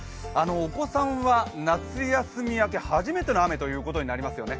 お子さんは夏休み明け初めての雨ということになりますよね。